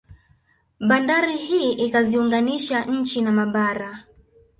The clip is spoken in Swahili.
Bandari hii ikaziunganisha nchi na mabara